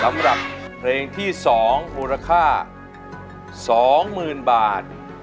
สำหรับเพลงที่สองมูลค่าสองหมื่นบาท